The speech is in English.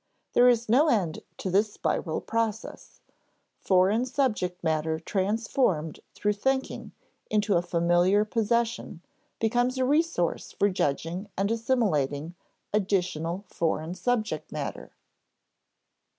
There is no end to this spiral process: foreign subject matter transformed through thinking into a familiar possession becomes a resource for judging and assimilating additional foreign subject matter.